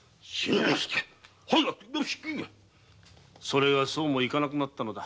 それがそうもいかなくなったのだ。